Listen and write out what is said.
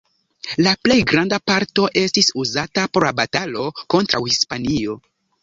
La plej granda parto estis uzata por la batalo kontraŭ Hispanio.